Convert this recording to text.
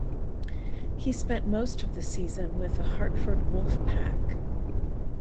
He spent most of the season with the Hartford Wolf Pack.